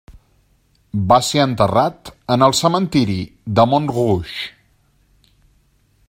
Va ser enterrat en el Cementiri de Montrouge.